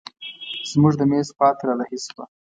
زموږ د مېز لور ته رارهي شوه.